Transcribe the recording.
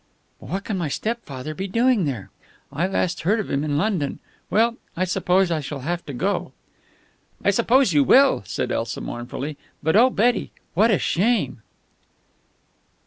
"But what can my stepfather be doing there? I last heard of him in London. Well, I suppose I shall have to go." "I suppose you will," said Elsa mournfully. "But, oh, Betty, what a shame!"